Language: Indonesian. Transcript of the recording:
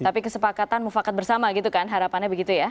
tapi kesepakatan mufakat bersama gitu kan harapannya begitu ya